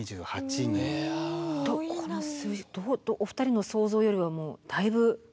この数字お二人の想像よりはもうだいぶ。